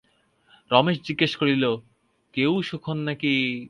রমেশ জিজ্ঞাসা করিল, কে ও, সুখন নাকি?